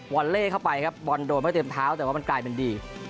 วอเล่เข้าไปครับกอลโดดได้เตรียมเท้าแต่มันกลายเป็นดี